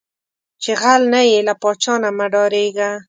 چې غل نۀ یې، لۀ پاچا نه مۀ ډارېږه